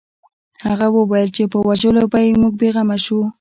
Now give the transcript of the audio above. هغه وویل چې په وژلو به یې موږ بې غمه شو